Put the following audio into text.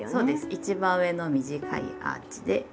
一番上の短いアーチで。